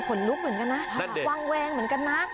ลุกเหมือนกันนะวางแวงเหมือนกันนะ